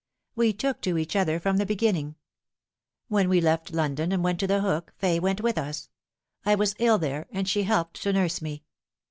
We took to each other from the beginning. When we left London and went to The Hook, Fay went with us. I was ill there, and she helped to nurse me.